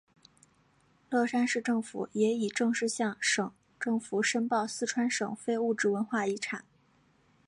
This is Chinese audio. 乐山市政府也已正式向省政府申报四川省非物质文化遗产。